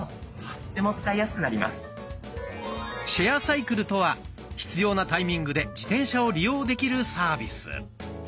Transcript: シェアサイクルとは必要なタイミングで自転車を利用できるサービス。